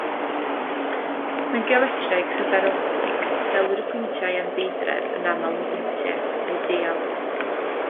Mewn geometreg hyperbolig, gelwir y pwyntiau anfeidredd yn aml yn bwyntiau ideal.